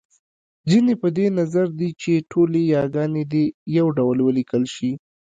ځينې په دې نظر دی چې ټولې یاګانې دې يو ډول وليکل شي